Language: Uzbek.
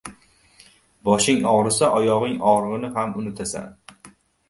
• Boshing og‘risa, oyog‘ing og‘rig‘ini ham unutasan.